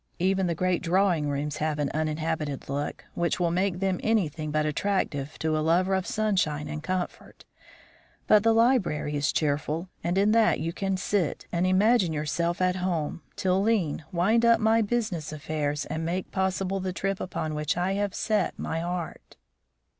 Even the great drawing rooms have an uninhabited look, which will make them anything but attractive to a lover of sunshine and comfort; but the library is cheerful, and in that you can sit and imagine yourself at home till lean wind up my business affairs and make possible the trip upon which I have set my heart."